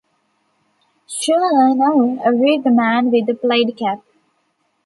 "Sure, I know," agreed the man with the plaid cap.